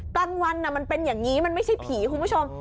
กลางวันมันเป็นอย่างนี้มันไม่ใช่ผีคุณผู้ชม